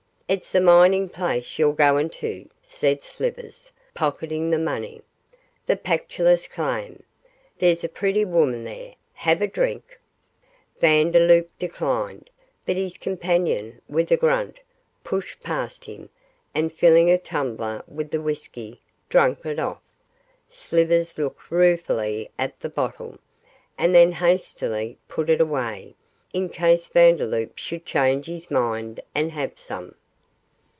'It's a mining place you're going to,' said Slivers, pocketing the money; 'the Pactolus claim. There's a pretty woman there. Have a drink?' Vandeloup declined, but his companion, with a grunt, pushed past him, and filling a tumbler with the whisky, drank it off. Slivers looked ruefully at the bottle, and then hastily put it away, in case Vandeloup should change his mind and have some.